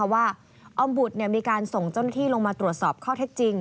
ออมบุตรมีการส่งเจ้าหน้าที่ลงมาตรวจสอบข้อเท็จจริง